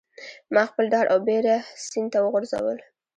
ماخپل ډار او بیره سیند ته وغورځول